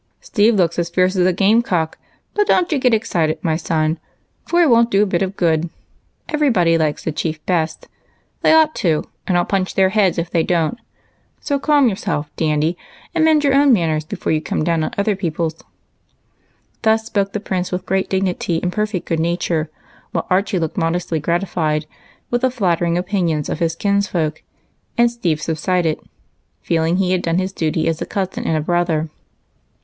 " Steve looks as fierce as a game cock ; but don't you get excited, my son, for it won't do a bit of good. Of course, everybody likes the Chief best ; they ought to, and I'll punch their heads if they don't. So calm yourself. Dandy, and mend your own manners before you come down on other people's." Thus the Prince with great dignity and perfect good nature, while Archie looked modestly gratified with the flattering oj^inions of his kinsfolk, and Steve sub sided, feeling he had done his duty as a cousin and a brother.